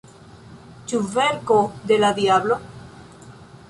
Ĉu verko de la diablo?